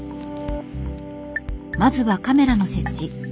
まずはカメラの設置。